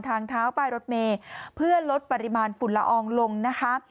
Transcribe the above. ทางเท้าป้ายรถเมย์เพื่อลดปริมาณฝุ่นละอองลงนะคะ